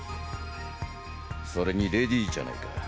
それにレディーじゃないか。